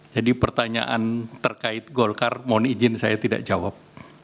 jadi pertanyaan terkait golkar mohon izin saya tidak jawab